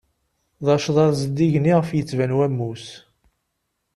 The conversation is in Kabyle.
D acḍaḍ zeddigen iɣef ittban wammus.